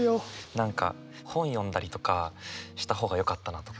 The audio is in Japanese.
何か本読んだりとかした方がよかったなとか。